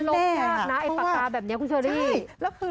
ถูกนะวันหนาวะไอ้ปากกาแบบนี้คุณชอลลี่ใช่แล้วคือ